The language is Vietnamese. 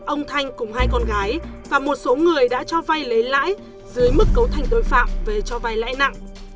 ông thanh cùng hai con gái và một số người đã cho vay lấy lãi dưới mức cấu thành tội phạm về cho vay lãi nặng